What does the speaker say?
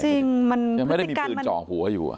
จริงมันยังไม่ได้มีปืนเจาะหัวอยู่